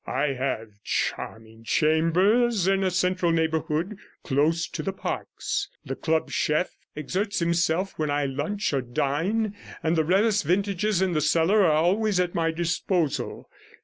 I have charming chambers in a central neighbourhood, close to the parks, the club chef exerts himself when I lunch or dine, and the rarest vintages in the cellar are always at my disposal.